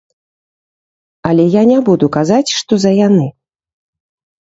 Але я не буду казаць, што за яны.